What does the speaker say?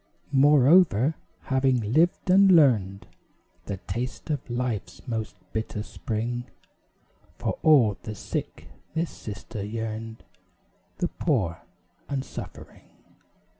Moreover, having lived, and learned The taste of Life's most bitter spring, For all the sick this sister yearned The poor and suffering.